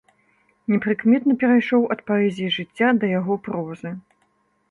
Непрыкметна перайшоў ад паэзіі жыцця да яго прозы.